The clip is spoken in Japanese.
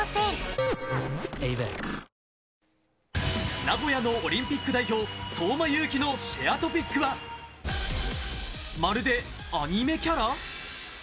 名古屋のオリンピック代表・相馬勇紀のシェアＴＯＰＩＣは、まるでアニメキャラ！？